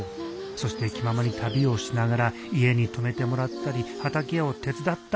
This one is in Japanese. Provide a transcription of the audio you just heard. そして気ままに旅をしながら家に泊めてもらったり畑を手伝ったりしよう。